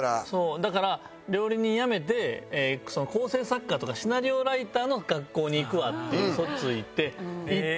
だから料理人やめて構成作家とかシナリオライターの学校に行くわってウソついて行って